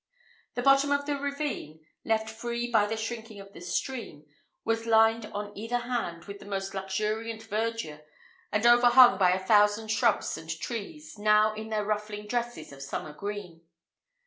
The bottom of the ravine, left free by the shrinking of the stream, was lined on either hand with the most luxuriant verdure, and overhung by a thousand shrubs and trees, now in their ruffling dresses of summer green.